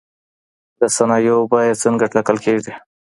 د صنايعو بيه څنګه ټاکل کيږي؟